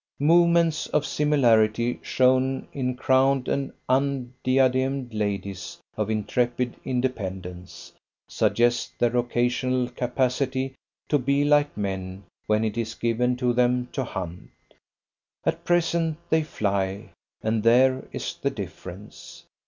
Movements of similarity shown in crowned and undiademed ladies of intrepid independence, suggest their occasional capacity to be like men when it is given to them to hunt. At present they fly, and there is the difference.